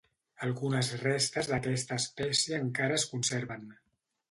Algunes restes d'aquesta espècie encara es conserven.